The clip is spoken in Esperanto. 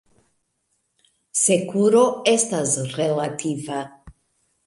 Sekuro estas relativa.